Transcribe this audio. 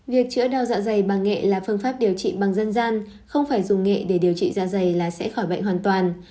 việc chữa đau dạ dày bằng nghệ là phương pháp điều trị bằng dân gian không phải dùng nghệ để điều trị da dày là sẽ khỏi bệnh hoàn toàn